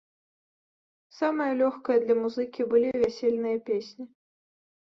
Самае лёгкае для музыкі былі вясельныя песні.